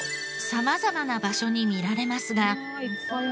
様々な場所に見られますが。